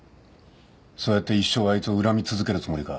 そうやって一生あいつを恨み続けるつもりか？